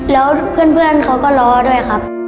แล้วเพื่อนเขาก็ล้อด้วยครับ